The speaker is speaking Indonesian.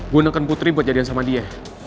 gue neken putri buat jadian sama dia